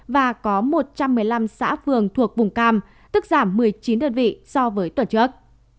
và có một trăm một mươi năm xã phường thuộc vùng cam tức giảm một mươi chín đơn vị so với tuần trước